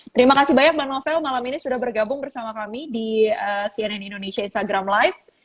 terima kasih banyak bang novel malam ini sudah bergabung bersama kami di cnn indonesia instagram live